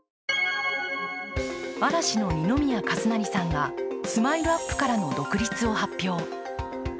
嵐の二宮和也さんがＳＭＩＬＥ−ＵＰ．からの独立を発表。